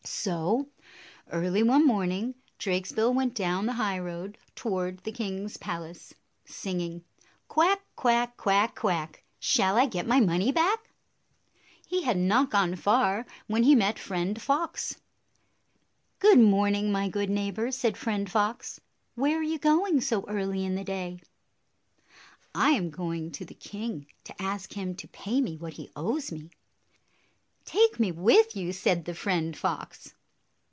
So, early one morning, Drakesbill went down the highroad toward the king's palace, singing, "Quack, quack! Quack, quack! Shall I get my money back?" He had not gone far when he met Friend Fox. 89 "Good morning, my good neighbor," said Friend Fox. "Where are you going so early in the day?" "I am going to the king, to ask him to pay me what he owes me." "Take me with you!" said the Friend Fox.